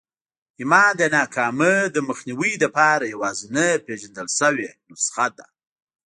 ايمان د ناکامۍ د مخنيوي لپاره يوازېنۍ پېژندل شوې نسخه ده.